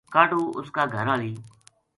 کاہڈو اس کا گھر ہالی